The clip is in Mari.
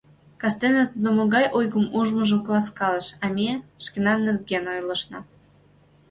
Кастене тудо могай ойгым ужмыжым каласкалыш, а ме — шкенан нерген ойлышна.